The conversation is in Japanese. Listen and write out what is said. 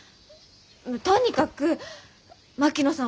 とにかく槙野さん